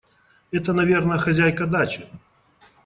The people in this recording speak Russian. Это, наверно, хозяйка дачи.